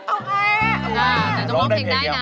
แต่จะร้องเพลงได้นะ